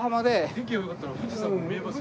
天気が良かったら富士山も見えますよ。